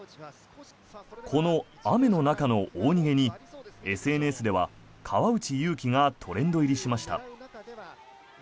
この雨の中の大逃げにＳＮＳでは川内優輝がトレンド入りしました。